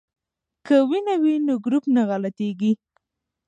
که وینه وي نو ګروپ نه غلطیږي.